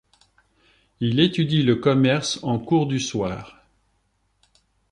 Il étudie le commerce en cours du soir.